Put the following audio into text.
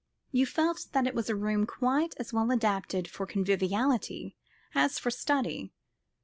You felt that it was a room quite as well adapted for conviviality as for study.